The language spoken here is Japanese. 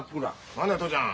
何だよ父ちゃん。